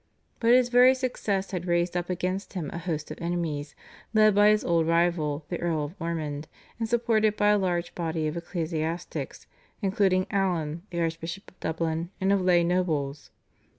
But his very success had raised up against him a host of enemies, led by his old rival the Earl of Ormond, and supported by a large body of ecclesiastics, including Allen, the Archbishop of Dublin, and of lay nobles.